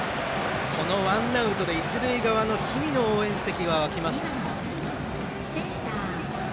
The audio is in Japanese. このワンアウトで一塁側の氷見の応援席が沸きます。